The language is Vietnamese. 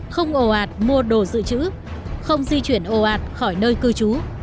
không ồ ạt mua đồ dự trữ không di chuyển ồ ạt khỏi nơi cư trú